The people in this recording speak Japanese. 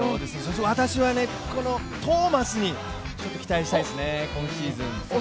私はこのトーマスに期待したいですね。